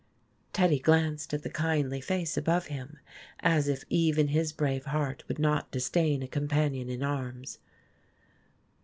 Teddy glanced at the kindly face above him, as if even his brave heart would not disdain a companion in arms.